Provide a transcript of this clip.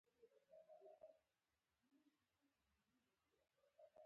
د رنجو ښایسته، ښایسته تیاره کرله